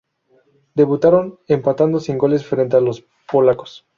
Debutaron empatando sin goles frente a los polacos.